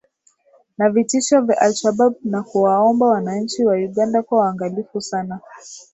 na vitisho vya alshabab na kuwaomba wananchi wa uganda kuwa waangalifu sana